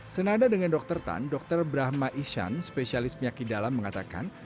senada dengan dr tan dokter brahma ishan spesialis penyakit dalam mengatakan